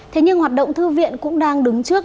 thế nhưng hoạt động thư viện cũng đang đứng trước